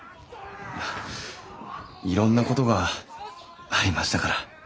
いろんなことがありましたから。